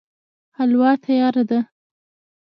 حلوا تياره ده